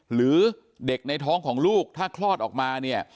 หรือเด็กในท้องของลูกถ้าคลอดออกมาเนี่ย